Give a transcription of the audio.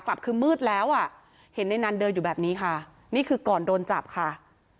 กลับคือมืดแล้วอ่ะเห็นในนั้นเดินอยู่แบบนี้ค่ะนี่คือก่อนโดนจับค่ะ